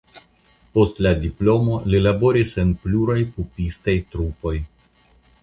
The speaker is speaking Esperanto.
Post la diplomo li laboris en pluraj pupistaj trupoj.